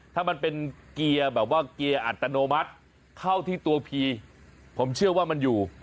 ถ้ามันเป็นเกียร์แบบว่าเกียร์อัตโนมัติเข้าที่ตัวพีผมเชื่อว่ามันอยู่